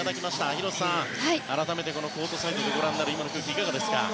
広瀬さん、改めてコートサイドでご覧になる今の空気、いかがですか。